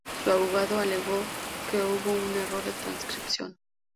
Su abogado alegó que hubo un error de transcripción.